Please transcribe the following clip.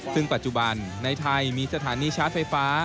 ซึ่งปัจจุบันในไทยมีสถานีชาร์จไฟฟ้า